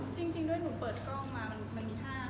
จริงด้วยหนูเปิดกล้องมามันมีภาพ